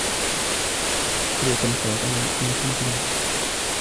كلوا وتمتعوا قليلا إنكم مجرمون